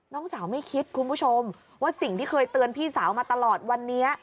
น้องสาวไม่คิดคุณผู้ชมว่าสิ่งที่เคยเตือนพี่สาวมาตลอดวันนี้